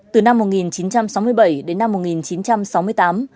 từ năm một nghìn chín trăm sáu mươi bảy đến năm một nghìn chín trăm sáu mươi tám